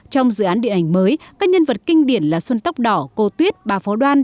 trong dự án điện ảnh mới các nhân vật kinh điển là xuân tóc đỏ cô tuyết bà phó đoan